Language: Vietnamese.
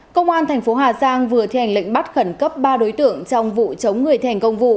công an tp hà giang vừa thi hành lệnh bắt khẩn cấp ba đối tượng trong vụ chống người thành công vụ